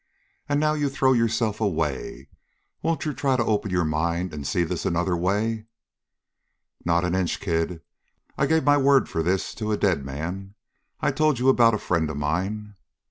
And now you throw yourself away. Won't you try to open your mind and see this another way?" "Not an inch. Kid, I gave my word for this to a dead man. I told you about a friend of mine?"